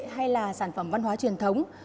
hay là sản phẩm văn hóa truyền thống